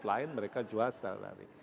lain mereka juasa